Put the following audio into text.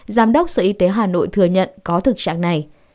giám đốc sở y tế hà nội thừa nhận có thực trạng này